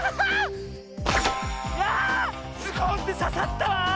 ズコンってささったわ！